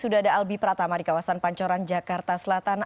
di pratama di kawasan pancoran jakarta selatan